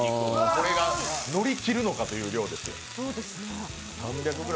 これがのりきるのかという量ですよ、３００ｇ。